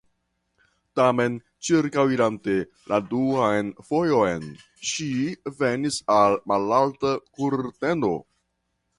Tamen, ĉirkaŭirante la duan fojon, ŝi venis al malalta kurteno.